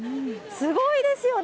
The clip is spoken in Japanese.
すごいですよね。